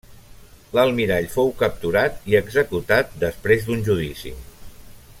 L'almirall fou capturat i executat després d'un judici.